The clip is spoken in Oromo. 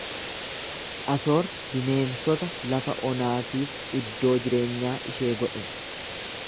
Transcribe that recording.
Asoor bineensota lafa onaatiif iddoo jireenyaa ishee godhe.